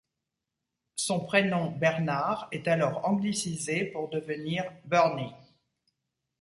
Son prénom Bernard est alors anglicisé pour devenir Bernie.